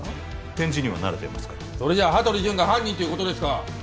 点字には慣れていますからそれじゃあ羽鳥潤が犯人ということですか？